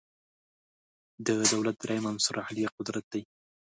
د دولت دریم عنصر عالیه قدرت